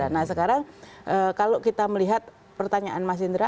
nah sekarang kalau kita melihat pertanyaan mas indra